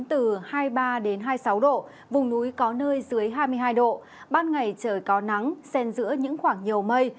từ hai mươi ba hai mươi sáu độ vùng núi có nơi dưới hai mươi hai độ ban ngày trời có nắng sen giữa những khoảng nhiều mây